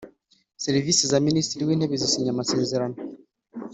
Serivisi za Minisitiri w’Intebe zisinya amasezerano